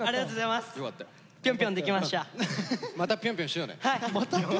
「またピョンピョンしよう」